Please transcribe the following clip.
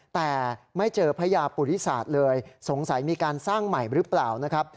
แต่ไม่เจอพญาปุริศาสตร์เลยสงสัยมีการสร้างใหม่หรือเปล่านะครับ